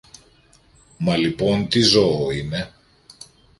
Μα λοιπόν τι ζώο είναι;